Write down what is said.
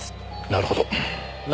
なるほど。